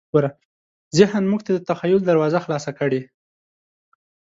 ذهن موږ ته د تخیل دروازه خلاصه کړې.